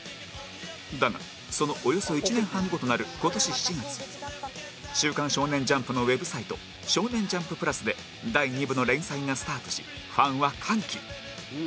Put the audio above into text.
だがそのおよそ１年半後となる今年７月『週刊少年ジャンプ』のウェブサイト「少年ジャンプ＋」で第２部の連載がスタートしファンは歓喜